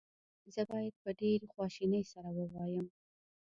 زه باید په ډېرې خواشینۍ سره ووایم.